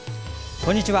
こんにちは。